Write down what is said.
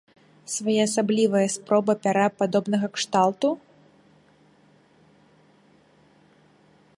Своеасаблівая спроба пяра падобнага кшталту?